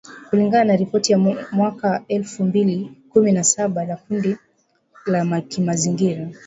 kulingana na ripoti ya mwaka elfu mbili kumi na saba ya kundi la kimazingira